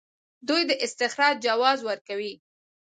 دوی د استخراج جواز ورکوي.